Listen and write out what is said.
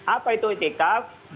apa itu ikhtiqah